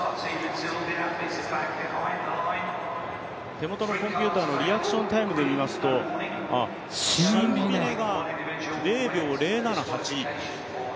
手元のコンピュータのリアクションタイムでいいますと、シンビネが０秒０７８。